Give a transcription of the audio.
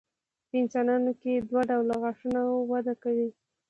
په انسانانو کې دوه ډوله غاښونه وده کوي.